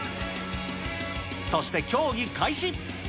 そして競技開始。